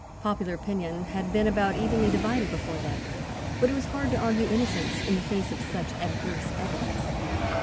Popular opinion had been about evenly divided, before that, but it was hard to argue innocence in the face of such adverse evidence.